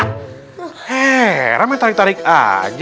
eh ramai tarik tarik aja